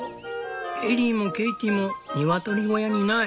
エリーもケイティもニワトリ小屋にいない。